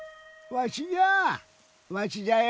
わしじゃよ。